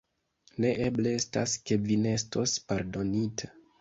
Ne eble estas, ke vi ne estos pardonita.